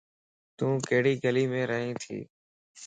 تون ڪھڙي گليم رئين تي؟